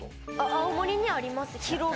青森にありますヒロロ。